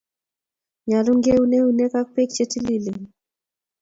nyalun ke un eunek ak bek chetililen